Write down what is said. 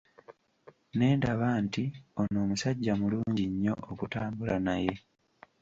Ne ndaba nti ono musajja mulungi nnyo okutambula naye.